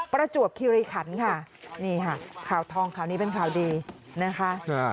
ประจวบคิริขันค่ะนี่ค่ะข่าวทองข่าวนี้เป็นข่าวดีนะคะ